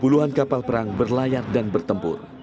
puluhan kapal perang berlayar dan bertempur